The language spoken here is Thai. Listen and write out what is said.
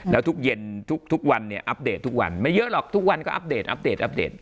แล้วทุกเย็นทุกวันเนี่ยอัปเดตทุกวันไม่เยอะหรอกทุกวันก็อัปเดตอัปเดตอัปเดต